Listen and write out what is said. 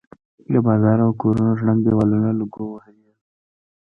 د بازار او کورونو ړنګ دېوالونه لوګو وهلي ول.